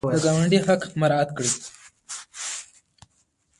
د ګاونډي حق مراعات کړئ